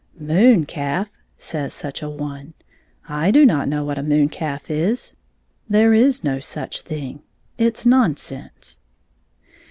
"Moon calf!" says such an one; "I do not know what a moon calf is. There is no such thing. It 's nonsense."